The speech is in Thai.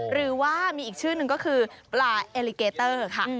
หรือว่ามีอีกชื่อหนึ่งก็คือปลาเอลิเกเตอร์ค่ะ